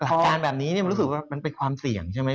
อาการแบบนี้มันรู้สึกว่ามันเป็นความเสี่ยงใช่ไหม